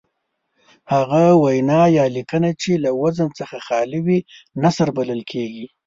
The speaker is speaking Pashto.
هغه وینا یا لیکنه چې له وزن څخه خالي وي نثر بلل کیږي.